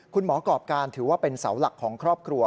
ประกอบการถือว่าเป็นเสาหลักของครอบครัว